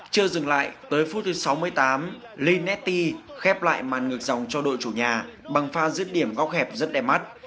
chưa dừng lại tới phút thứ sáu mươi tám lenetti khép lại màn ngược dòng cho đội chủ nhà bằng pha giết điểm góc hẹp rất đẹp mắt